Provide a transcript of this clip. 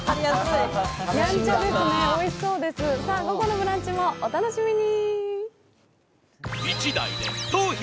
午後の「ブランチ」もお楽しみに。